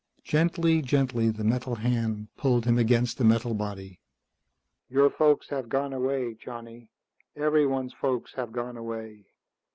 Gently, gently, the metal hand pulled him against the metal body. "Your folks have gone away, Johnny. Everyone's folks have gone away.